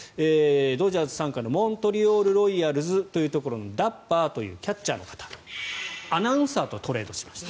ドジャース傘下のモントリオール・ロイヤルズというところのダッパーというキャッチャーの方アナウンサーとトレードしました。